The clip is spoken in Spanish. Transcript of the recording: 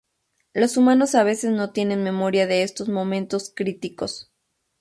Los humanos a veces no tienen memoria de estos momentos críticos.